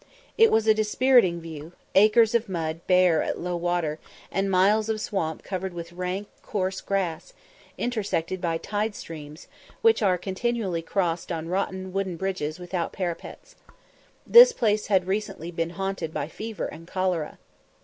It was a dispiriting view acres of mud bare at low water, and miles of swamp covered with rank coarse grass, intersected by tide streams, which are continually crossed on rotten wooden bridges without parapets. This place had recently been haunted by fever and cholera.